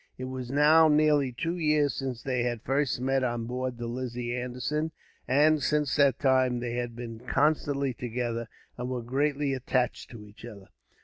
It was now nearly two years since they had first met on board the Lizzie Anderson; and, since that time, they had been constantly together, and were greatly attached to each other.